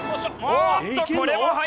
おっとこれは早い！